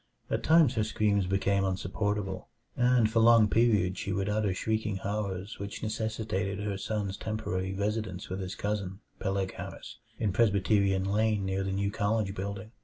At times her screams became insupportable, and for long periods she would utter shrieking horrors which necessitated her son's temporary residence with his cousin, Peleg Harris, in Presbyterian Lane near the new college building.